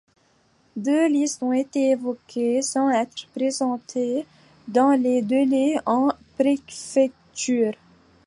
Deux listes ont été évoquées sans être présentées dans les délais en Préfecture.